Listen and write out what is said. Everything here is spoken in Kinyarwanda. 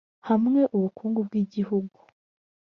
hamwe ubukungu bw igihugu